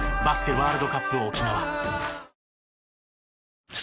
ワールドカップ沖縄。